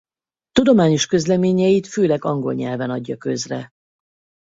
Tudományos közleményeit főleg angol nyelven adja közre.